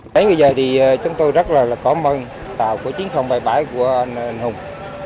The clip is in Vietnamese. đến bây giờ thì chúng tôi rất là cảm ơn tàu của chín nghìn bảy mươi bảy của anh hùng